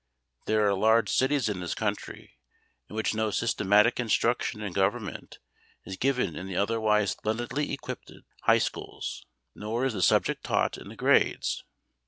There are large cities in this country in which no systematic instruction in Government is given in the otherwise splendidly equipped high schools, nor is the subject taught in the grades.